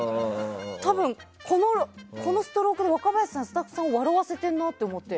多分、このストロークで若林さんがスタッフさんを笑わせてるなと思って。